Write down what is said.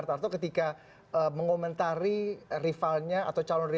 pergelenggara munas itu dpp